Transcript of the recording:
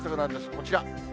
こちら。